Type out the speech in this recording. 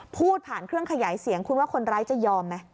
พูดผ่านเครื่องขยายเสียงคุณว่าคนร้ายจะยอมไหม